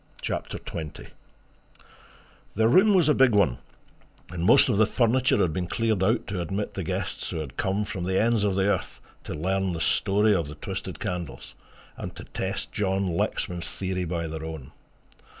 CHAPTER XX The room was a big one and most of the furniture had been cleared out to admit the guests who had come from the ends of the earth to learn the story of the twisted candles, and to test John Lexman's theory by their own.